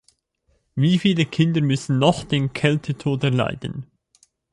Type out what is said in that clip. Wie viele Kinder müssen noch den Kältetod erleiden?